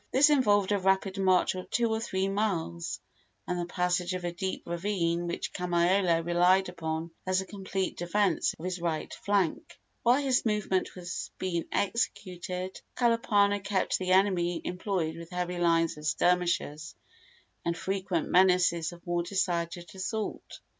This involved a rapid march of two or three miles, and the passage of a deep ravine which Kamaiole relied upon as a complete defence of his right flank. While this movement was being executed Kalapana kept the enemy employed with heavy lines of skirmishers and frequent menaces of more decided assault.